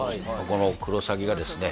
このクロサギがですね